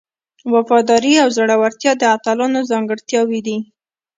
وفاداري او زړورتیا د اتلانو ځانګړتیاوې دي.